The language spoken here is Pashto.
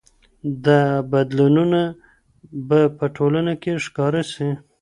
دا بدلونونه به په ټولنه کي ښکاره سي.